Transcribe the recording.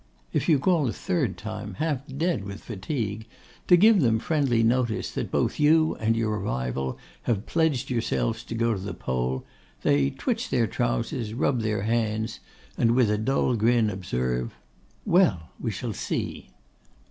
If you call a third time, half dead with fatigue, to give them friendly notice that both you and your rival have pledged yourselves to go to the poll, they twitch their trousers, rub their hands, and with a dull grin observe, 'Well, sir, we shall see.